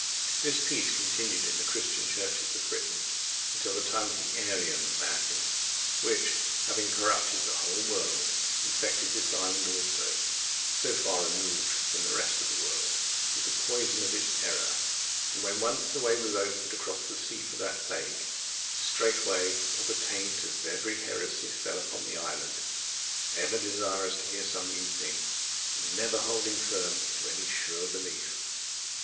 This peace continued in the Christian churches of Britain until the time of the Arian madness, which, having corrupted the whole world, infected this island also, so far removed from the rest of the world, with the poison of its error; and when once a way was opened across the sea for that plague, straightway all the taint of every heresy fell upon the island, ever desirous to hear some new thing, and never holding firm to any sure belief.